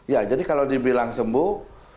ya jadi kalau dibilang sembuh